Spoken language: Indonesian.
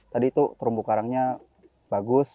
tadi itu terumbu karangnya bagus